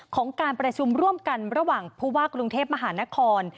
ของการประชุมร่วมกันระหว่างผู้ว่ากรุงเทพมหานคร